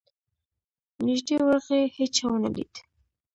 نیژدې ورغی هېچا ونه لید.